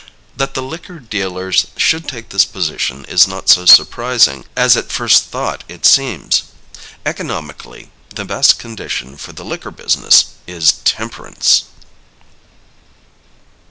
That the liquor dealers should take this position is not so surprising as at first thought it seems. Economically, the best condition for the liquor business is temperance.